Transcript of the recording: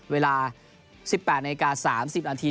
เวลา๑๘นาที๓๐นาที